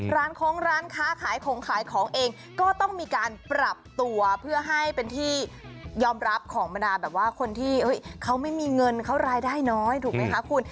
โค้งร้านค้าขายของขายของเองก็ต้องมีการปรับตัวเพื่อให้เป็นที่ยอมรับของบรรดาแบบว่าคนที่เขาไม่มีเงินเขารายได้น้อยถูกไหมคะคุณ